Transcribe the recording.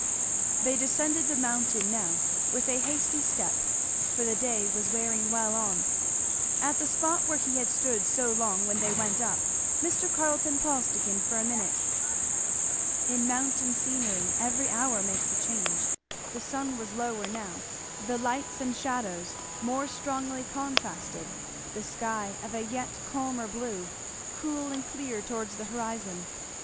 They descended the mountain now with a hasty step, for the day was wearing well on. At the spot where he had stood so long when they went up, Mr. Carleton paused again for a minute. In mountain scenery every hour makes a change. The sun was lower now, the lights and shadows more strongly contrasted, the sky of a yet calmer blue, cool and clear towards the horizon.